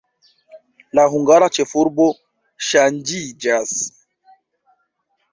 La hungara ĉefurbo ŝanĝiĝas.